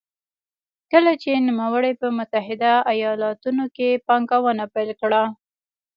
کله چې نوموړي په متحده ایالتونو کې پانګونه پیل کړه.